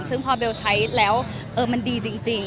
ซึ่งพอเบลใช้แล้วมันดีจริง